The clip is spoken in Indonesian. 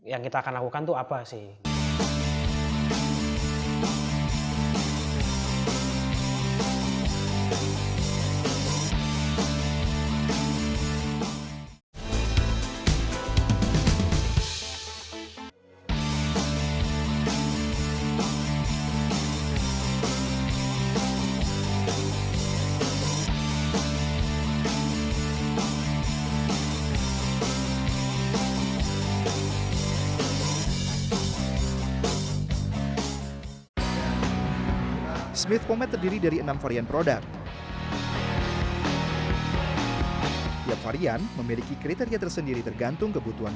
yang kita akan lanjutkan